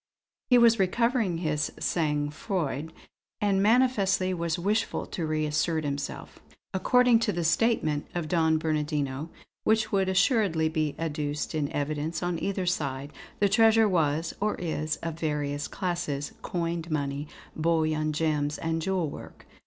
He was recovering his sang froid, and manifestly was wishful to reassert himself. "According to the statement of Don Bernardino, which would assuredly be adduced in evidence on either side, the treasure was, or is, of various classes; coined money, bullion, gems and jewel work.